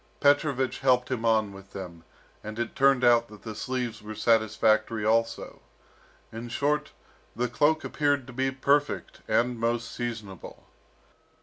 Petrovich helped him on with them, and it turned out that the sleeves were satisfactory also. In short, the cloak appeared to be perfect, and most seasonable.